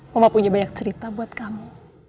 mama punya banyak cerita buat kamu